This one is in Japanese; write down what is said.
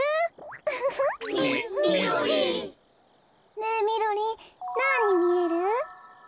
ねえみろりんなんにみえる？